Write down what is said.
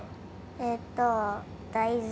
えっと大豆。